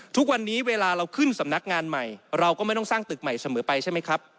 ทุกวันนี้เวลาเราขึ้นสำนักงานใหม่เราก็ไม่ต้องสร้างตึกใหม่เสมอไปใช่ไหมครับ